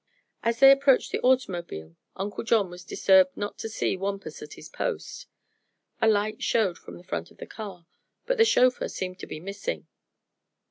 As they approached the automobile Uncle John was disturbed not to see Wampus at his post. A light showed from the front of the car, but the chauffeur seemed to be missing.